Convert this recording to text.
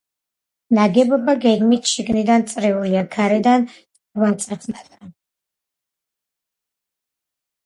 ნაგებობა გეგმით შიგნიდან წრიულია, გარედან რვაწახნაგა.